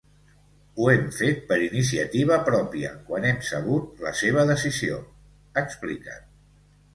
Ho hem fet per iniciativa pròpia quan hem sabut la seva decisió, expliquen.